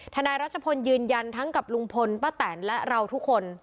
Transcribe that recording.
นายรัชพลยืนยันทั้งกับลุงพลป้าแตนและเราทุกคน